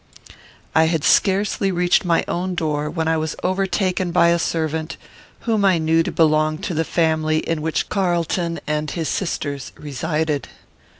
I had scarcely reached my own door, when I was overtaken by a servant, whom I knew to belong to the family in which Carlton and his sisters resided.